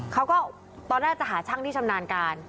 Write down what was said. เขาก็ตอนแรกจะหาช่างที่ชำนาญการ